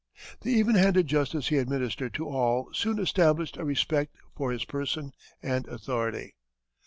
The even handed justice he administered to all soon established a respect for his person and authority."